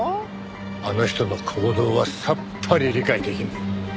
あの人の行動はさっぱり理解できねえ。